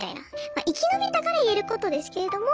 まあ生き延びたから言えることですけれども。